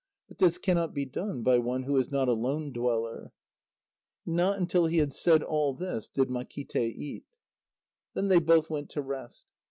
But this cannot be done by one who is not a lone dweller." And not until he had said all this did Makíte eat. Then they both went to rest.